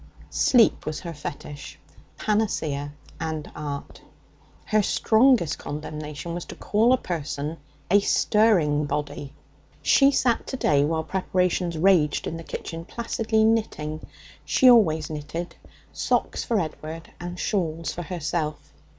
Sleep was her fetish, panacea and art. Her strongest condemnation was to call a person 'a stirring body.' She sat to day, while preparations raged in the kitchen, placidly knitting. She always knitted socks for Edward and shawls for herself.